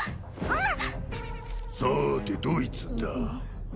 あっさてどいつだ？